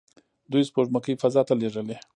دوی سپوږمکۍ فضا ته لیږلي.